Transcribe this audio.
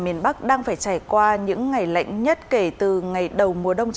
miền bắc đang phải trải qua những ngày lạnh nhất kể từ ngày đầu mùa đông